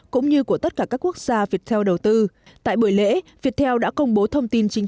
cũng như của tất cả các quốc gia việt theo đầu tư tại buổi lễ viettel đã công bố thông tin chính